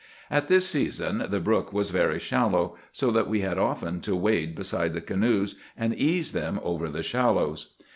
At this season the brook was very shallow, so that we had often to wade beside the canoes and ease them over the shallows.